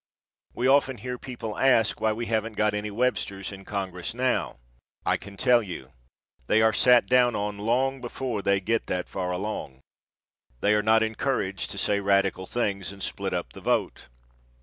We often hear people ask why we haven't got any Websters in congress now. I can tell you. They are sat down on long before they get that far along. They are not encouraged to say radical things and split up the vote.